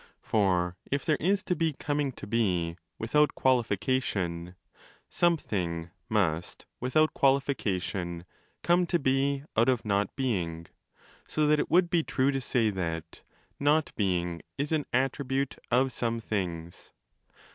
For if there is to be coming to be without qualification, 'something' must—without qualification— 'come to be out of not being', so that it would be true to say that 'not being is an attribute of some things'.